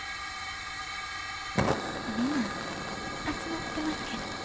みんな集まってますけど。